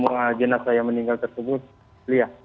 dengan jenazah yang meninggal tersebut lih